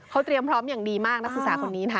เขาเตรียมพร้อมอย่างดีมากนักศึกษาคนนี้นะคะ